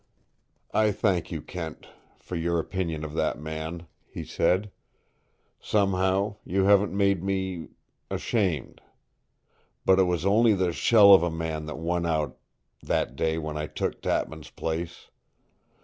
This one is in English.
"I thank you, Kent, for your opinion of that man," he said. "Somehow, you haven't made me ashamed. But it was only the shell of a man that won out after that day when I took Tatman's place.